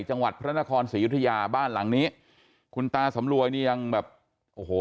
จังหวัดพระนครศรียุธยาบ้านหลังนี้คุณตาสำรวยนี่ยังแบบโอ้โห